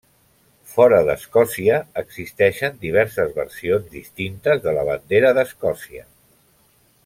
Fora d'Escòcia existeixen diverses versions distintes de la bandera d'Escòcia.